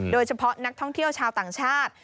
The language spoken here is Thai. โดยเฉพาะนักท่องเที่ยวชาวต่างชาติ